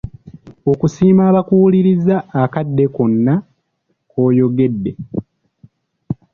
Okusiima abakuwuliriza okadde kwonna k'oyogedde.